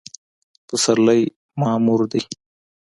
پسرلی معمور دی